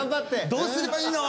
どうすればいいの？